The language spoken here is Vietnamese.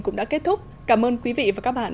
cũng đã kết thúc cảm ơn quý vị và các bạn